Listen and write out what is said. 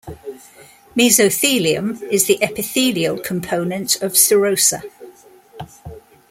Mesothelium is the epithelial component of serosa.